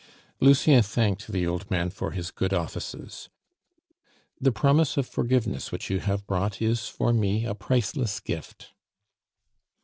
Lucien thanked the old man for his good offices. "The promise of forgiveness which you have brought is for me a priceless gift."